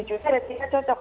cukupnya berarti dia cocok